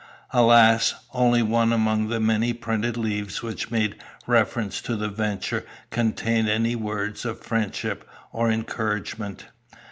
Alas! only one among the many printed leaves which made reference to the venture contained any words of friendship or encouragement.